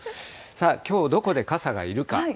さあ、きょうどこで傘がいるか。